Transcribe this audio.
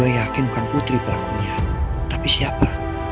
saya yakin bukan putri pelakunya tapi siapa